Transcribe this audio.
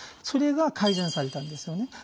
それが改善されたんですよね。